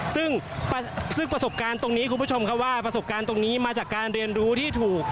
ซึ่งประสบการณ์ตรงนี้คุณผู้ชมครับว่าประสบการณ์ตรงนี้มาจากการเรียนรู้ที่ถูก